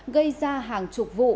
gây ra hàng chục vụ